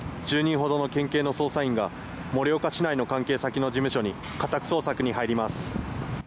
１０人ほどの県警の捜査員が盛岡市内の関係先の事務所に家宅捜索に入ります。